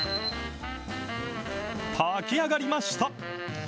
炊き上がりました。